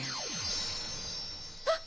あっ！